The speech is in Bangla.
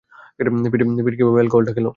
পিট কীভাবে অ্যালকোহলটা খেলো?